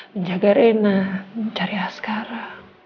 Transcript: menjaga reina mencari askara